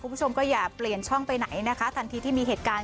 คุณผู้ชมก็อย่าเปลี่ยนช่องไปไหนนะคะทันทีที่มีเหตุการณ์